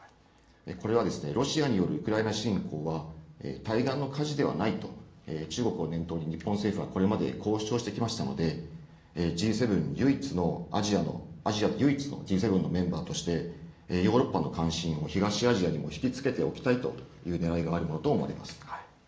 これは、ロシアによるウクライナ侵攻は対岸の火事ではないと中国を念頭に日本政府は交渉してきましたのでＧ７アジアで唯一のＧ７のメンバーとしてヨーロッパの関心を東アジアにも引き付けておきたいというねらいがあるものと思われます。